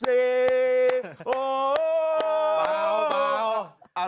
เฮ้ออเปล่า